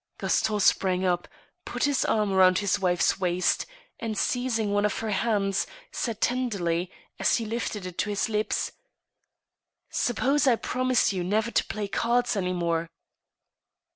" Gaston sprang up, put his arm round his wife's waist, and, seizing one of hei hands, said tenderly, as he lifted it to his lips :* Suppose I promise you never to play cards any more